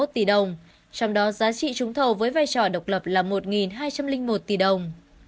trong đó giá trị trúng thầu với vai trò độc lập là một hai trăm linh một tỷ đồng